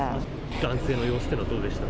男性の様子というのはどうでした？